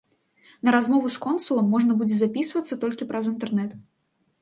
На размову з консулам можна будзе запісвацца толькі праз інтэрнэт.